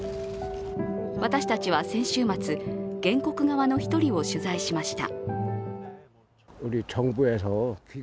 私たちは先週末、原告側の１人を取材しました。